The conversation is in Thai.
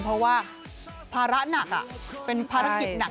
เพราะว่าภาระหนักเป็นภารกิจหนัก